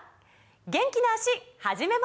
元気な脚始めましょう！